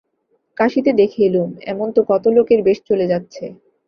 কাশীতে দেখে এলুম, এমন তো কত লোকের বেশ চলে যাচ্ছে।